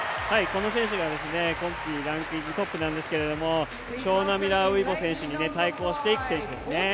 この選手は今季ランキングトップなんですけどショウナ・ミラー・ウイボに対抗していく選手ですね。